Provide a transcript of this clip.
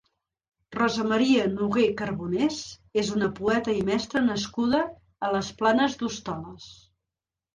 Rosa Maria Noguer Carbonés és una poeta i mestra nascuda a les Planes d'Hostoles.